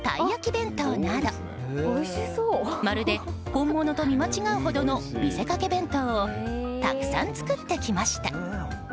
弁当などまるで、本物と見間違うほどの見せかけ弁当をたくさん作ってきました。